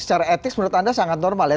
secara etik menurut anda sangat normal ya